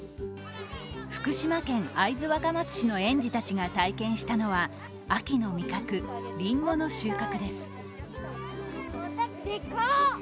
福島県会津若松市の園児たちが体験したのは秋の味覚、りんごの収穫です。